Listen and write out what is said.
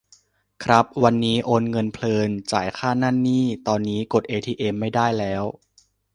ครับ วันนี้โอนเงินเพลิน จ่ายค่านั่นนี่ ตอนนี้กดเอทีเอ็มไม่ได้แล้ว